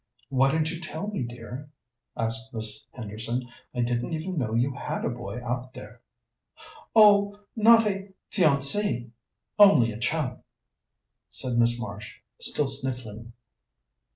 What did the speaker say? "Why didn't you tell me, dear?" asked Miss Henderson. "I didn't even know you had a boy out there." "Oh, not a feawncy only a chum," said Miss Marsh, still sniffing.